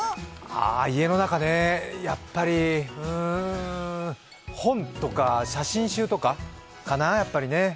家の中ね、やっぱり、うん本とか、写真集とかかな、やっぱりね。